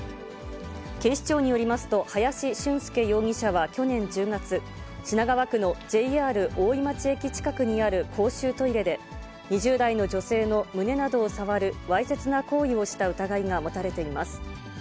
警視庁によりますと、林駿佑容疑者は去年１０月、品川区のＪＲ大井町駅近くにある公衆トイレで、２０代の女性の胸などを触るわいせつな行為をした疑いが持たれています。